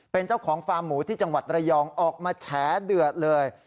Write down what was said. เป็นเจ้าของฟาร์มหมูที่จังหวัดระยองออกมาแฉเดือดเลย